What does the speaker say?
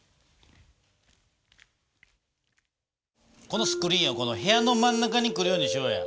このスクリーンをこの部屋の真ん中に来るようにしようや。